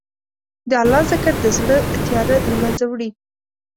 د الله ذکر د زړه تیاره له منځه وړي.